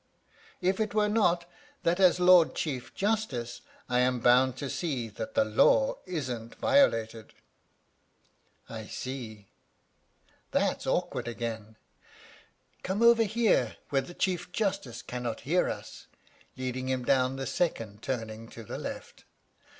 " If it were not that as Lord Chief Justice I am bound to see that the law isn't violated." "I see; that's awkward again. Come over here where the Chief Justice cannot hear us," leading him down the second turning to the left.